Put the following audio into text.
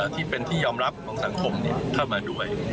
ที่เป็นที่ยอมรับของสังคมเข้ามาด้วย